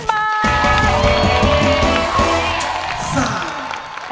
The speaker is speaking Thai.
สวัสดีครับ